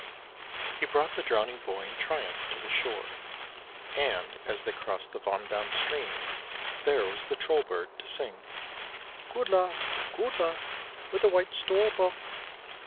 He brought the drowning boy in triumph to the shore, and as they crossed the Vand dam stream, there was the Troll bird to sing: Good luck, good luck, With the White Storbuk.